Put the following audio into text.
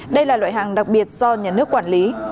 đây là loại hàng đặc biệt do nhà nước quản lý